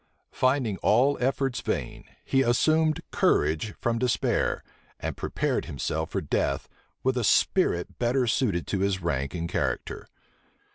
Finding all efforts vain, he assumed courage from despair, and prepared himself for death, with a spirit better suited to his rank and character.